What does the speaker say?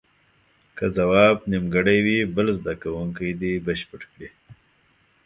که ځواب نیمګړی وي بل زده کوونکی دې بشپړ کړي.